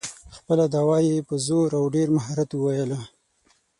خپله دعوه یې په زور او ډېر مهارت وویله.